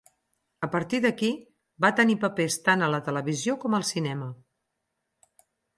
A partir d'aquí, va tenir papers tant a la televisió com al cinema.